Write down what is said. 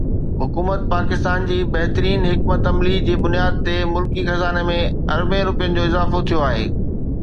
حڪومت پاڪستان جي بهترين حڪمت عملي جي بنياد تي ملڪي خزاني ۾ اربين رپين جو اضافو ٿيو آهي.